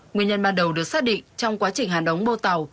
nguyên nhân ban đầu được xác định trong quá trình hàn đóng bô tàu